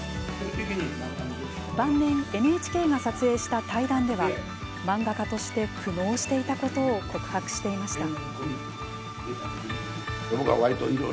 晩年ＮＨＫが撮影した対談では漫画家として苦悩していたことを告白していました。